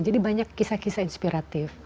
jadi banyak kisah kisah inspiratif